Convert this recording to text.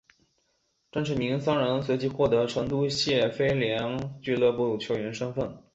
张池明三人随即获得成都谢菲联俱乐部球员身份。